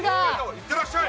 いってらっしゃい！